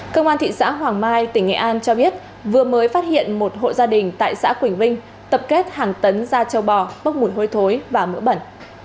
công an thị xã hoàng mai tỉnh nghệ an cho biết vừa mới phát hiện một hộ gia đình tại xã quỳnh vinh tập kết hàng tấn da châu bò bốc mùi hôi thối và mỡ bẩn